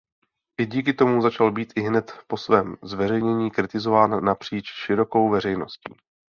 I díky tomu začal být ihned po svém zveřejnění kritizován napříč širokou veřejností.